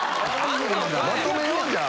まとめようじゃあ。